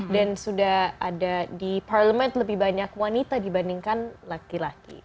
dan sudah ada di parliament lebih banyak wanita dibandingkan laki laki